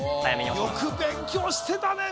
よく勉強してたね